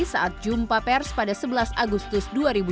saat jumpa pers pada sebelas agustus dua ribu dua puluh